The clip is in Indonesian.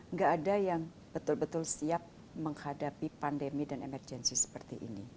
nggak ada yang betul betul siap menghadapi pandemi dan emergensi seperti ini